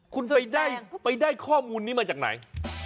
คุณไปได้ข้อมูลนี้มาจากไหน